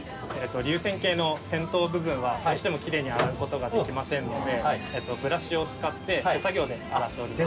流線型の先頭部分はどうしてもきれいに洗うことができませんのでブラシを使って手作業で洗っております。